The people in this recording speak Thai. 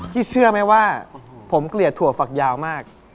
เชื่อไหมว่าผมเกลียดถั่วฝักยาวมาก